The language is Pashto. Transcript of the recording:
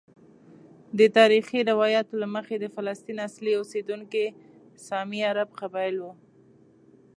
د تاریخي روایاتو له مخې د فلسطین اصلي اوسیدونکي سامي عرب قبائل وو.